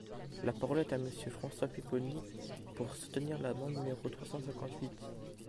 La parole est à Monsieur François Pupponi, pour soutenir l’amendement numéro trois cent cinquante-huit.